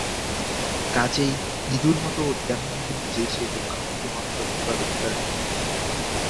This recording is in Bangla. কাজেই হিঁদুর মত য়াহুদীদেরও যে-সে দোকান হতে মাংস কেনবার অধিকার নেই।